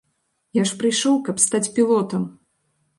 Я ж прыйшоў, каб стаць пілотам!